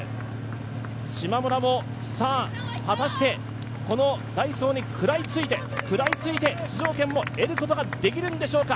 しまむらも果たしてこのダイソーに食らいついて出場権を得ることができるんでしょうか。